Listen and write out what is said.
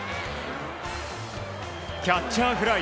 キャッチャーフライ。